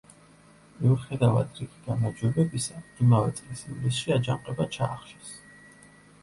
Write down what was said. მიუხედავად რიგი გამარჯვებებისა, იმავე წლის ივლისში აჯანყება ჩაახშეს.